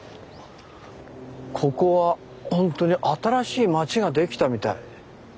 ここはほんとに新しい町が出来たみたい。